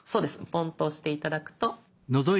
ポンと押して頂くと。